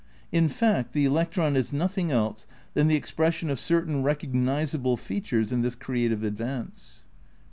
In fact the electron is nothing else than the expression of certain recog nisable features in this creative advance."